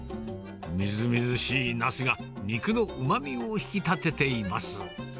みずみずしいなすが肉のうまみを引き立てています。